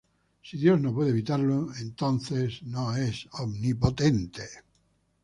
Si Dios no puede evitarlo, entonces no es omnipotente.